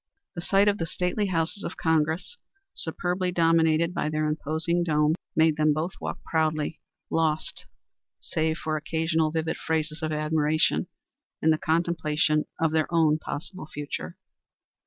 The sight of the stately houses of Congress, superbly dominated by their imposing dome, made them both walk proudly, lost, save for occasional vivid phrases of admiration, in the contemplation of their own possible future.